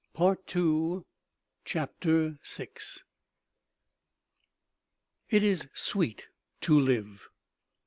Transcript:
I r^ J CHAPTER VI. IT is sweet to live.